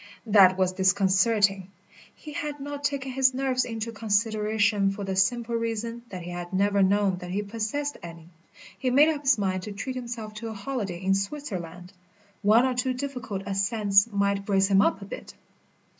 That was disconcerting. He had not taken his nerves into consideration for the simple reason that he had never known that he possessed any. He made up his mind to treat himself to a holiday in Switzerland. One or two difficult ascents might brace him up a bit.